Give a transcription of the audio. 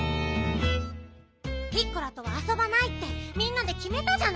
ピッコラとはあそばないってみんなできめたじゃない。